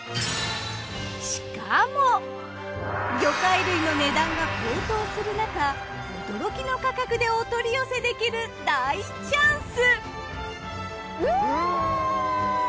しかも魚介類の値段が高騰する中驚きの価格でお取り寄せできる大チャンス。